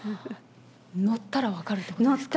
乗ったら分かるということですか？